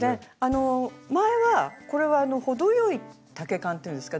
前はこれは程よい丈感っていうんですか。